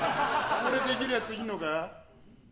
これできるやついんのか？